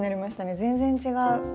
全然違う。